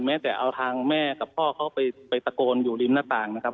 แม้แต่เอาทางแม่กับพ่อเขาไปตะโกนอยู่ริมหน้าต่างนะครับ